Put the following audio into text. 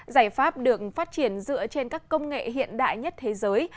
giải pháp được phát triển dựa trên các công nghệ hiện đại nhất thế giới